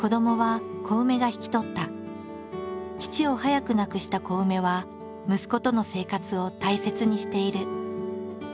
父を早く亡くしたコウメは息子との生活を大切にしている。